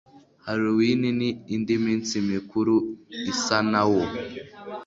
Halloween n indi minsi mikuru isa na wo